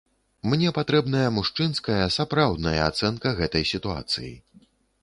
Мне патрэбная мужчынская, сапраўдная ацэнка гэтай сітуацыі.